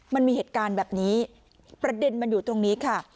มันมีเหตุการณ์แบบนี้ประเด็นมันอยู่ตรงนี้ค่ะ